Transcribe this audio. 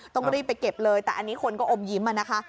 ต้องรีบไปเก็บเลยแต่อันนี้คนก็อมยิ้มนะคะ